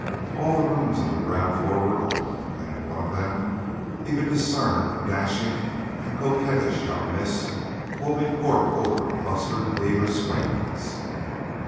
All the rooms on the ground floor were open, and in one of them he could discern a dashing and coquettish young miss holding court over a cluster of eager swains.